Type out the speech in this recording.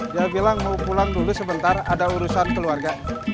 dia bilang mau pulang dulu sebentar ada urusan keluarga